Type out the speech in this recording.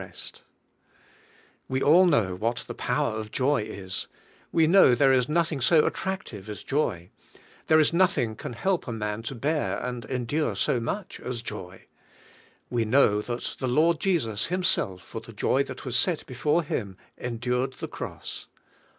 136 JO y IN THE HOL V GHOST We all know what the power of joy is; we know there is nothing so attractive as joy, there is nothing can help a man to bear and endure so much as joy; we know that the Lord Jesus Him self for the joy that was set before Him endured the cross.